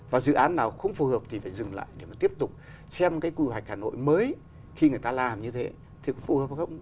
và dự án nào không phù hợp thì phải dừng lại để mà tiếp tục xem cái quy hoạch hà nội mới khi người ta làm như thế thì có phù hợp không